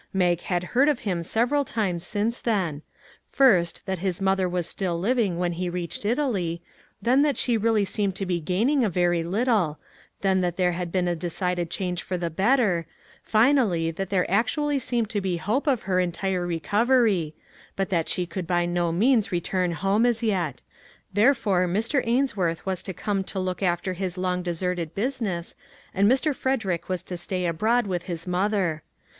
Mag had heard of him several times since then first, that his mother was still living when he reached Italy; then that she really seemed to be gaining a very little; then that there had been a decided change for the better; finally that there actually seemed to be hope of her entire recovery, but that she could by no means return home as yet; therefore Mr. Ainsworth was to come to look after his long deserted business, and Mr. Frederick was to stay abroad with his mother.